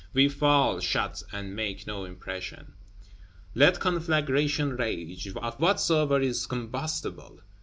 We fall, shot; and make no impression! Let conflagration rage; of whatsoever is combustible!